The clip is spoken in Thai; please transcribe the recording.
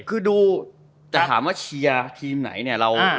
คือดูจะถามว่าเชียร์ทีมไหนเนี่ย